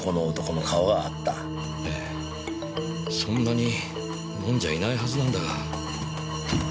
そんなに飲んじゃいないはずなんだが。